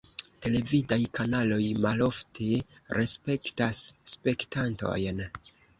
Televidaj kanaloj malofte respektas spektantojn.